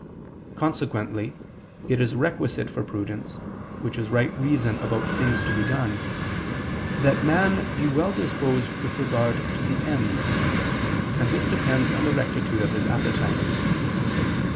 Consequently, it is requisite for prudence, which is right reason about things to be done, that man be well disposed with regard to the ends: and this depends on the rectitude of his appetite.